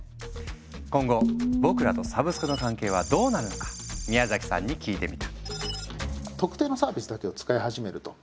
今後僕らとサブスクの関係はどうなるのか宮崎さんに聞いてみた。